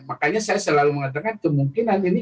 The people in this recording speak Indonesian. makanya saya selalu mengatakan kemungkinan ini